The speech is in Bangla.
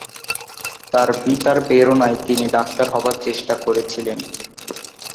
তার পিতার প্রেরণায় তিনি ডাক্তার হবার চেষ্টা করেছিলেন।